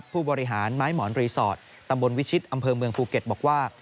ผู้บริหารไม้หมอนรีสอร์ทตำบลวิชิตอำเภอเมืองภูเก็ตบอกว่า